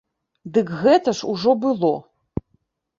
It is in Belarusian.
Дык гэта ж ужо было.